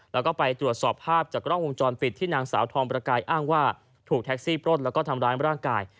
แล้วก็ไปตรวจสอบภาพจากกล้องวงจรปิดที่นางสาวทองประกายอ้างว่าถูกแท็กซี่ปล้นแล้วก็ทำร้ายร่างกาย